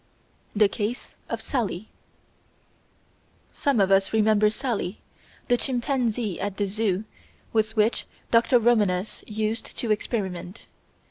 The Case of Sally Some of us remember Sally, the chimpanzee at the "Zoo" with which Dr. Romanes used to experiment.